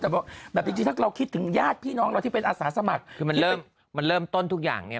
แต่แบบจริงถ้าเราคิดถึงญาติพี่น้องเราที่เป็นอาสาสมัครคือมันเริ่มมันเริ่มต้นทุกอย่างเนี่ย